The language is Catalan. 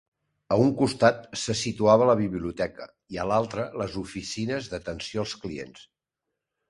A un costat se situava la biblioteca i a l'altra les oficines d'atenció als clients.